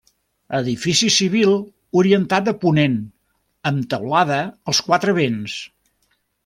Edifici civil orientat a ponent amb teulada als quatre vents.